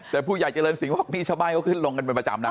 แต่ผู้ใหญ่เจริญสิงห์บอกนี่ชาวบ้านเขาขึ้นลงกันเป็นประจำนะ